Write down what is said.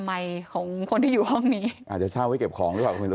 อาจจะเช่าไว้เก็บของด้วยครับ